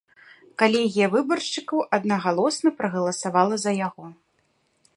Калегія выбаршчыкаў аднагалосна прагаласавала за яго.